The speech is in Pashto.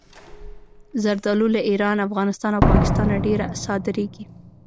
زردالو له ایران، افغانستان او پاکستانه ډېره صادرېږي.